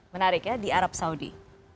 menarik ya di arab saudi